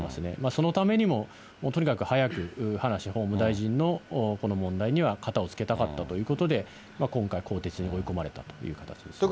そのためにも、とにかく早く、葉梨法務大臣のこの問題にはかたをつけたかったということで、今回、更迭に追い込まれたという形ですね。